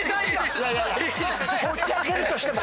持ち上げるとしても。